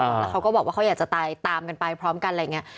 แล้วเขาก็บอกว่าเขาอยากจะตายตามกันไปพร้อมกันอะไรอย่างนี้